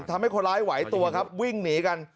ทำให้คนร้ายไหวตัวครับวิ่งหนีกัน